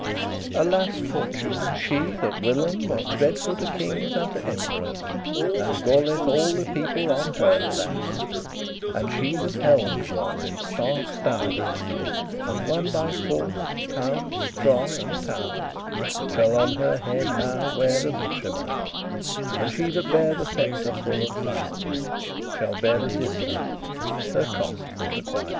Alas, Fortune! she that whilom was Dreadful to kinges and to emperours, Now galeth* all the people on her, alas! *yelleth And she that *helmed was in starke stowres,* *wore a helmet in And won by force townes strong and tow'rs, obstinate battles* Shall on her head now wear a vitremite; <16> And she that bare the sceptre full of flow'rs Shall bear a distaff, *her cost for to quite.